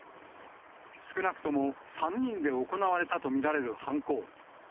少なくとも３人で行われたと見られる犯行。